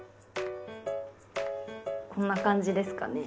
こんな感じですかね？